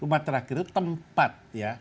rumah terakhir itu tempat